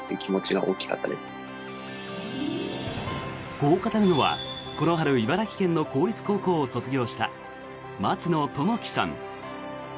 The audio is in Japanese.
こう語るのは、この春茨城県の公立高校を卒業した松野知紀さん。